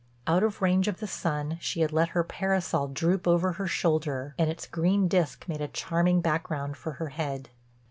Out of range of the sun she had let her parasol droop over her shoulder and its green disk made a charming background for her head.